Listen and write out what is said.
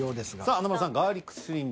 華丸さん「ガーリックシュリンプ」。